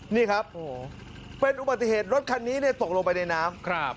นี่ครับเป็นอุบัติเหตุรถคันนี้ตกลงไปในน้ำ